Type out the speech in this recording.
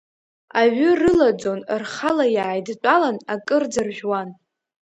Аҩы рылаӡон, рхала иааидтәалан, акырӡа ржәуан.